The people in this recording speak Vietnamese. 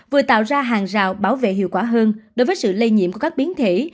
vừa tạo ra hàng rào bảo vệ hiệu quả hơn đối với sự lây nhiễm của các biến thể